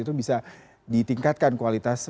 itu bisa ditingkatkan kualitas